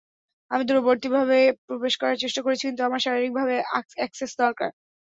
আমি দূরবর্তীভাবে প্রবেশ করার চেষ্টা করেছি, কিন্তু আমার শারীরিক ভাবে অ্যাক্সেস দরকার।